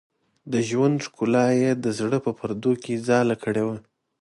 د ژوند ښکلا یې د زړه په پردو کې ځاله کړې وه.